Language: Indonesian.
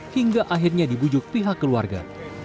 hingga akhirnya dibujuk pihak keluarga